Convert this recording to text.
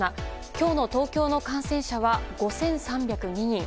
今日の東京の感染者は５３０２人。